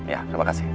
iya terima kasih